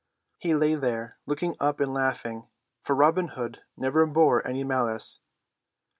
He lay there looking up and laughing, for Robin Hood never bore any malice.